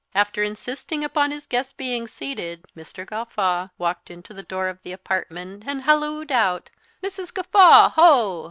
After insisting upon his guests being seated, Mr. Gawffaw walked to the door of the apartment, and hallooed out, "Mrs. Gawffaw, ho!